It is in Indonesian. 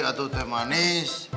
itu teh manis